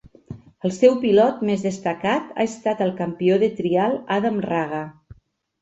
El seu pilot més destacat ha estat el campió de trial Adam Raga.